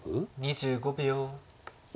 ２５秒。